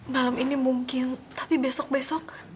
malam ini mungkin tapi besok besok